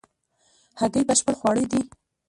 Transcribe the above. هګۍ بشپړ خواړه دي